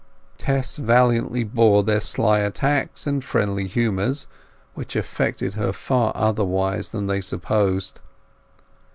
Tess valiantly bore their sly attacks and friendly humours, which affected her far otherwise than they supposed.